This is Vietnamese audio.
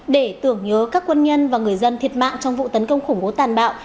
để tưởng nhớ các quân nhân và người dân thiệt mạng trong vụ tấn công khủng bố tàn bạo